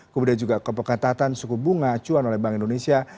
kemudian juga kepekatatan suku bunga cuan oleh bank indonesia